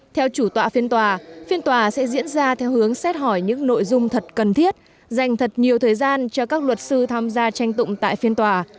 theo chủ tọa phiên tòa phiên tòa sẽ diễn ra theo hướng xét hỏi những nội dung thật cần thiết dành thật nhiều thời gian cho các luật sư tham gia tranh tụng tại phiên tòa